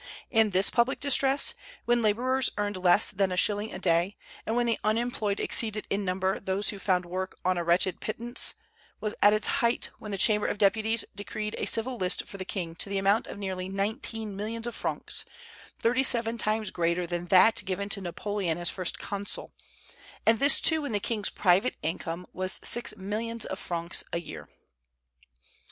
And this public distress, when laborers earned less than a shilling a day, and when the unemployed exceeded in number those who found work on a wretched pittance, was at its height when the Chamber of Deputies decreed a civil list for the king to the amount of nearly nineteen millions of francs, thirty seven times greater than that given to Napoleon as First Consul; and this, too, when the king's private income was six millions of francs a year.